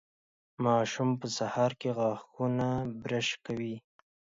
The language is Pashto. ماشوم په سهار کې غاښونه برش کوي.